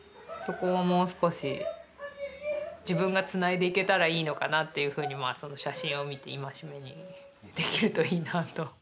そこをもう少し自分がつないでいけたらいいのかなっていうふうにまあその写真を見て戒めにできるといいなあと。